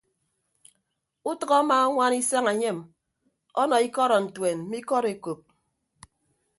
Utʌk amaañwana isañ enyem ọnọ ikọdọntuen mme ikọd ekop.